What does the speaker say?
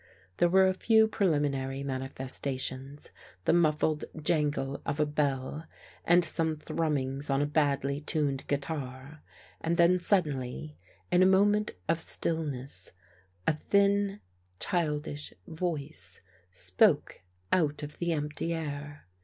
There were a few preliminary manifestations, the muffled jangle of a bell, and some thrummings on a badly tuned guitar, and then suddenly, in a moment of stillness, a thin, childish voice spoke out of the empty air.